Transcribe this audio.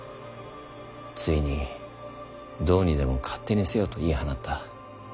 ついに「どうにでも勝手にせよ」と言い放った。